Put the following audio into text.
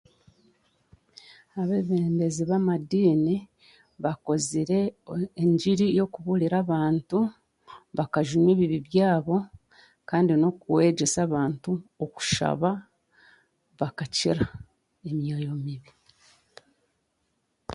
Abebembezi bamadiini bakozire o enjiri y'okuburira abantu bakajunwa ebiibi byabo kandi n'okwegyeesa abantu okushaba bakakira emyooyo mibi.